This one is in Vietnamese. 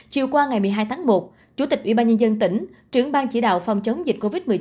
chiều qua ngày một mươi hai tháng một chủ tịch ủy ban nhân dân tỉnh trưởng bang chỉ đạo phòng chống dịch covid một mươi chín